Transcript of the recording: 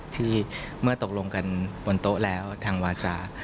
ที่เมื่อตกลงกันบนโต๊ะแล้วทางวาจา